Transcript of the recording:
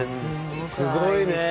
すごいね。